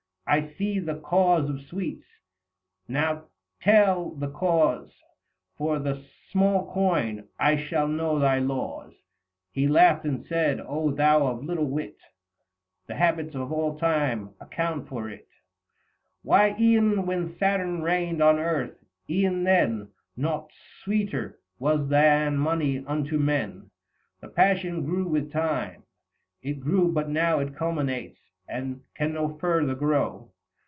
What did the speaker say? " I see the cause of sweets, now tell the cause For the small coin, and I shall know thy laws." 200 He laughed and said :" thou of little wit, The habits of all time account for it ; Why e'en when Saturn reigned on earth, e'en then, Nought sweeter was than money unto men. The passion grew with time ; it grew, but now 205 It culminates, and can no further grow.